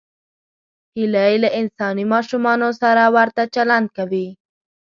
هیلۍ له انساني ماشومانو سره ورته چلند کوي